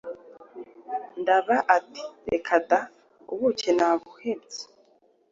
Ndaba ati: “Reka da! Ubuki nabuhebye,